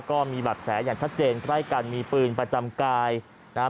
ก็มีบาดแผลอย่างชัดเจนใกล้กันมีปืนประจำกายนะครับ